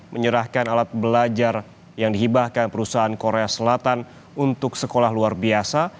menyerahkan alat belajar yang dihibahkan perusahaan korea selatan untuk sekolah luar biasa